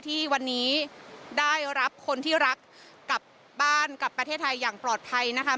ที่วันนี้ได้รับคนที่รักกลับบ้านกลับประเทศไทยอย่างปลอดภัยนะคะ